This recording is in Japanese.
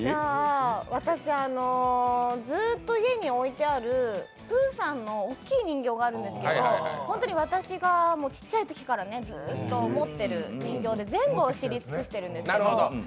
私ずっと家に置いてあるプーさんの大きい人形があるんですけど、ホントに私がちっちゃいときからずっと持ってる人形で全部を知り尽くしてるんですよ。